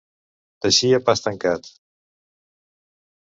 Teixir a pas tancat.